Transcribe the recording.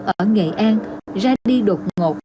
ở nghệ an ra đi đột ngột